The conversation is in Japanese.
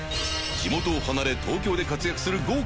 地元を離れ東京で活躍する覯攘歿戎佑